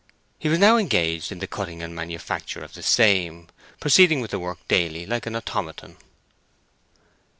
He was now engaged in the cutting and manufacture of the same, proceeding with the work daily like an automaton.